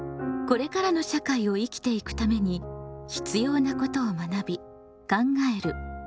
これからの社会を生きていくために必要なことを学び考える「公共」。